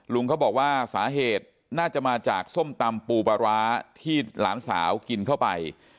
ลุงเขาบอกว่าสาเหตุน่าจะมาจากส้มตำปูปลาร้าที่หลานสาวกินเข้าไป